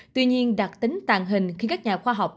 tuy nhiên đặc tính tàn hình khi các nhà khoa học